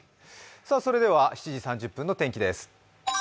それでは７時３０分の天気です。